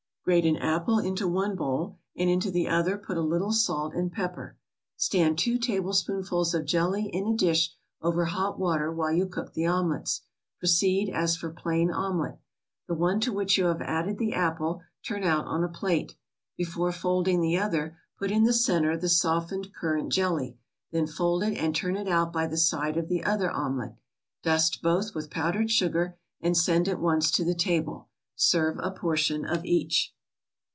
Grate an apple into one bowl, and into the other put a little salt and pepper. Stand two tablespoonfuls of jelly in a dish over hot water while you cook the omelets. Proceed as for plain omelet. The one to which you have added the apple, turn out on a plate. Before folding the other, put in the center the softened currant jelly, then fold it and turn it out by the side of the other omelet. Dust both with powdered sugar, and send at once to the table. Serve a portion of each.